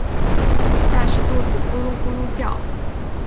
但是肚子咕噜咕噜叫